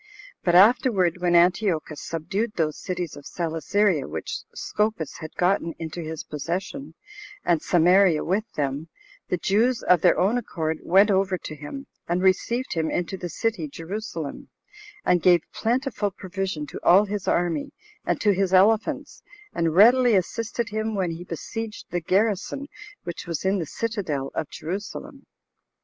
But afterward, when Antiochus subdued those cities of Celesyria which Scopas had gotten into his possession, and Samaria with them, the Jews, of their own accord, went over to him, and received him into the city [Jerusalem], and gave plentiful provision to all his army, and to his elephants, and readily assisted him when he besieged the garrison which was in the citadel of Jerusalem.